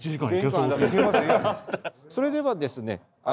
それではですね